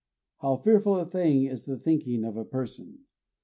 _ ("how fearful a thing is the thinking of a person!").